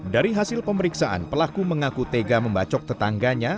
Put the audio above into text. dari hasil pemeriksaan pelaku mengaku tega membacok tetangganya